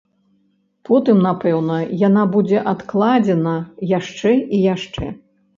Потым, напэўна, яна будзе адкладзена яшчэ і яшчэ.